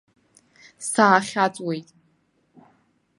Саахьаҵуеит.